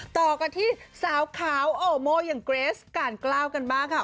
ต่อกันที่สาวขาวโอโมอย่างเกรสกาลกล้าวกันบ้างค่ะ